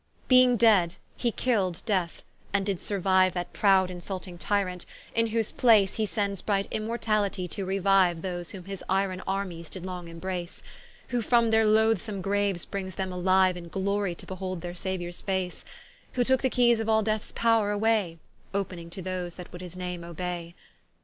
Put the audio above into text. Being dead, he killed Death, and did suruiue That prowd insulting Tyrant: in whose place He sends bright Immortalitie to reuiue Those whom his yron armes did long embrace; Who from their loathsome graues brings them aliue In glory to behold their Sauiours face: Who tooke the keys of all Deaths powre away, Opening to those that would his name obay.